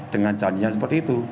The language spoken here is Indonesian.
dengan janjinya seperti itu